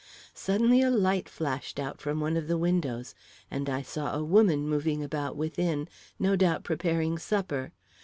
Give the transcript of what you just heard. Suddenly a light flashed out from one of the windows, and I saw a woman moving about within, no doubt preparing supper.